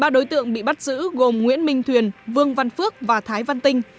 ba đối tượng bị bắt giữ gồm nguyễn minh thuyền vương văn phước và thái văn tinh